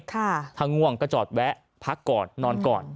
ถ้าง่วงก็จอดแวะพักก่อนนอนก่อน